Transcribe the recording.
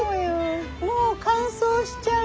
もう乾燥しちゃう！」